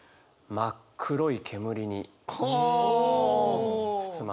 真っ黒い煙に包まれて。